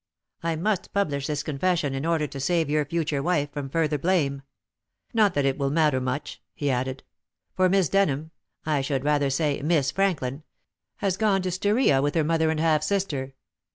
I must publish this confession in order to save your future wife from further blame. Not that it will matter much," he added, "for Miss Denham I should rather say Miss Franklin has gone to Styria with her mother and half sister."